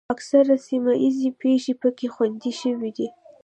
اکثره سیمه ییزې پېښې پکې خوندي شوې دي.